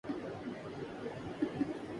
ہو کر اسیر‘ دابتے ہیں‘ راہزن کے پانو